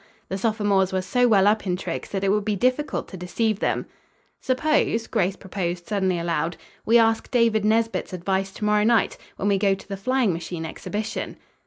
The sophomores were so well up in tricks that it would be difficult to deceive them. "Suppose," Grace proposed suddenly, aloud, "we ask David Nesbit's advice to morrow night, when we go to the flying machine exhibition."